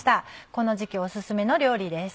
この時期オススメの料理です。